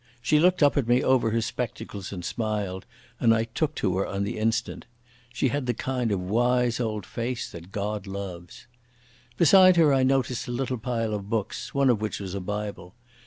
She looked up at me over her spectacles and smiled, and I took to her on the instant. She had the kind of old wise face that God loves. Beside her I noticed a little pile of books, one of which was a Bible.